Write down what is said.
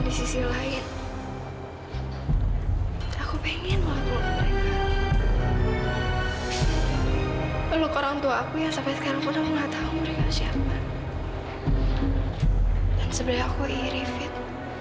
dan sebenarnya aku iri fit